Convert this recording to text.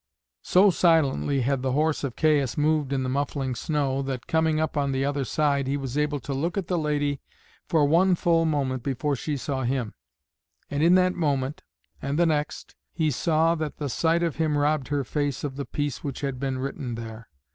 So silently had the horse of Caius moved in the muffling snow that, coming up on the other side, he was able to look at the lady for one full moment before she saw him, and in that moment and the next he saw that the sight of him robbed her face of the peace which had been written there.